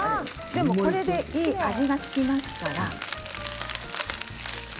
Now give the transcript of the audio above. これで結構、味が付きますから。